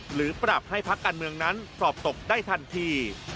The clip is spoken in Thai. หรือปรับให้พักการเมืองนั้นสอบตกได้ทันที